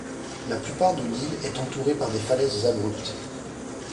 La plupart de l'île est entourée par des falaises abruptes.